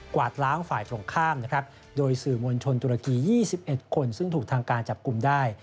วาดล้างฝ่ายตรงข้ามนะครับโดยสื่อมวลชนตุรกี๒๑คนซึ่งถูกทางการจับกลุ่มได้